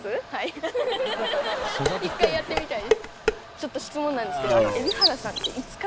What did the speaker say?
ちょっと質問なんですけどあの。